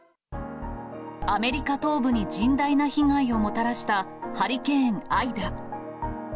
アメリカ東部に甚大な被害をもたらしたハリケーン・アイダ。